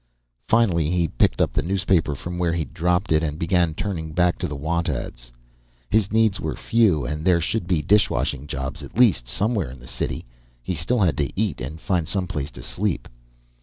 Finally, he picked up the newspaper from where he'd dropped it and began turning back to the want ads. His needs were few, and there should be dishwashing jobs, at least, somewhere in the city. He still had to eat and find some place to sleep.